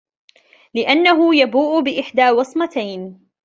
لِأَنَّهُ يَبُوءُ بِإِحْدَى وَصْمَتَيْنِ